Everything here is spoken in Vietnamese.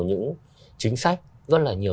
những chính sách rất là nhiều